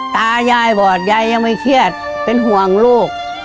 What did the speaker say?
ตายายบอดยายยังไม่เครียดเป็นห่วงลูก